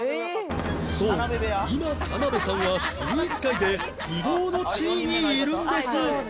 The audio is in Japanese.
そう今田辺さんはスイーツ界で不動の地位にいるんです